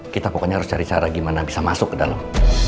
kita pokoknya harus cari cara gimana bisa masuk ke dalam